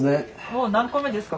もう何個目ですか？